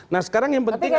nah sekarang yang penting